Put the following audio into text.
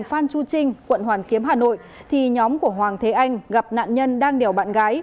phan chu trinh quận hoàn kiếm hà nội thì nhóm của hoàng thế anh gặp nạn nhân đang điều bạn gái